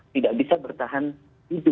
tidak bisa bertahan hidup